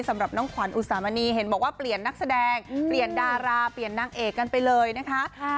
สำหรับน้องขวัญอุสามณีเห็นบอกว่าเปลี่ยนนักแสดงเปลี่ยนดาราเปลี่ยนนางเอกกันไปเลยนะคะ